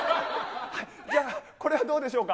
じゃあこれはどうでしょうか？